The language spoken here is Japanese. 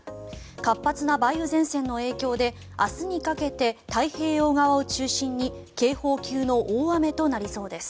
活発な梅雨前線の影響で明日にかけて太平洋側を中心に警報級の大雨となりそうです。